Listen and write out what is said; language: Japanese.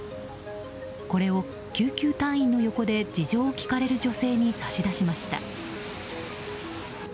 これを救急隊員の横で事情を聴かれる女性に差し出しました。